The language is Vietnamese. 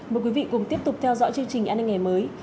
mời quý vị cùng tiếp tục theo dõi chương trình an ninh ngày mới